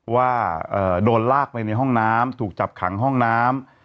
ว่าโดนลากไปในห้องน้ำถูกจับขังห้องน้ำ